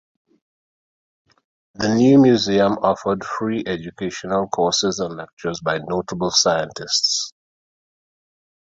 The new museum offered free educational courses and lectures by notable scientists.